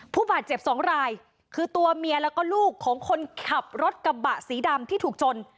ผู้บาดเจ็บสองรายคือตัวเมียแล้วก็ลูกของคนขับรถกระบะสีดำที่ถูกชน